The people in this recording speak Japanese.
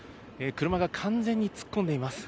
車が完全に突っ込んでいます。